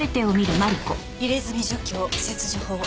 入れ墨除去切除法。